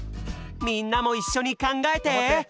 みんなもいっしょにかんがえて！